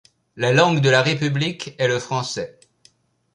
La langue de la République est le français.